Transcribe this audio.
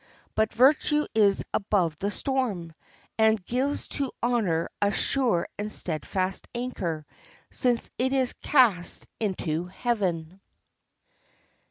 But virtue is above the storm, and gives to honor a sure and steadfast anchor, since it is cast into heaven.